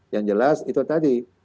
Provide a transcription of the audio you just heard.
yang jelas itu tadi